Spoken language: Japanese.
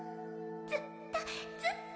ずっとずっと